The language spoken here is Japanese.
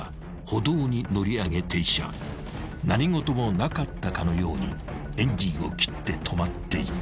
［何事もなかったかのようにエンジンを切って止まっていた］